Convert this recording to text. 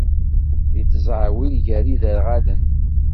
Ittzaɛwil gar iderɣalen.